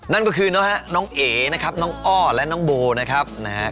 นั่นก็คือน้องเอ๋นะครับน้องอ้อและน้องโบนะครับนะฮะ